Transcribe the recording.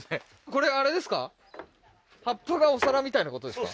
これあれですか？